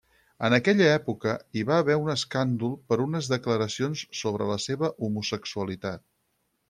En aquella època hi va haver un escàndol per unes declaracions sobre la seva homosexualitat.